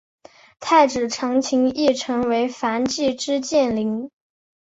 太子长琴亦成为焚寂之剑灵。